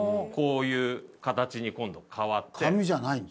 こういう形に今度変わって。